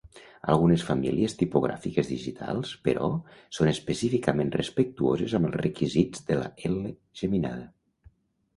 Algunes famílies tipogràfiques digitals, però, són específicament respectuoses amb els requisits de la ela geminada.